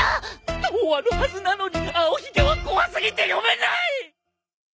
童話のはずなのに『青ひげ』は怖過ぎて読めない！